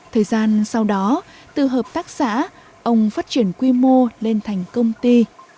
thời gian sau đó từ hợp tác xã ông phát triển quy mô lên thành công ty